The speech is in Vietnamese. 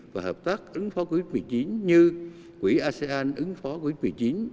và hợp tác ứng phó covid một mươi chín như quỹ asean ứng phó covid một mươi chín